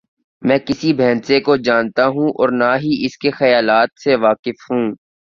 میں کسی بھینسے کو جانتا ہوں اور نہ ہی اس کے خیالات سے واقف ہوں۔